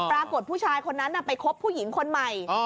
ปรากฏผู้ชายคนนั้นไปคบผู้หญิงคนใหม่